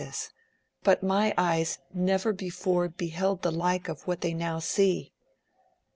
75 this, but my eyes never before beheld the like of what they now see.